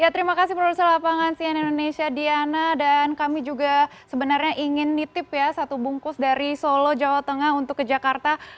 terima kasih produser lapangan cnn indonesia diana dan kami juga sebenarnya ingin nitip ya satu bungkus dari solo jawa tengah untuk ke jakarta